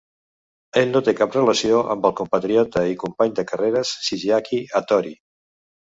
Ell no té cap relació amb el compatriota i company de carreres Shigeaki Hattori.